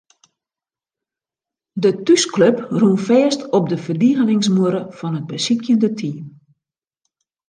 De thúsklup rûn fêst op de ferdigeningsmuorre fan it besykjende team.